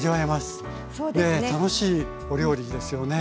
楽しいお料理ですよね。